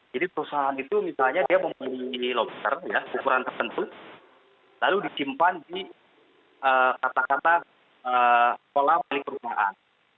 jadi perusahaan itu misalnya dia membeli lobster dengan ukuran tertentu lalu disimpan di kata kata kolam milik perusahaan